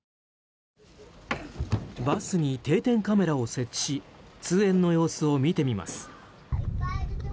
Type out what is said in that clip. バスに定点カメラを設置し通園の様子を見てみます。